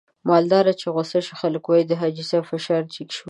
مالدار چې غوسه شي خلک واي د حاجي صاحب فشار جګ شو.